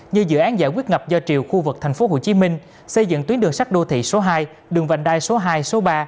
như dự án giải quyết ngập do triều khu vực tp hcm xây dựng tuyến đường sắt đô thị số hai đường vành đai số hai số ba